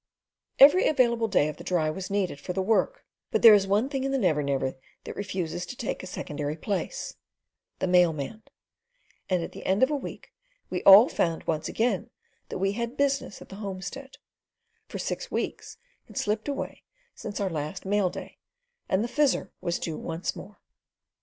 Every available day of the Dry was needed for the work; but there is one thing in the Never Never that refuses to take a secondary—place the mailman; and at the end of a week we all found, once again, that we had business at the homestead; for six weeks had slipped away since our last mail day, and the Fizzer was due once more.